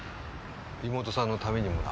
妹さんのためにもな！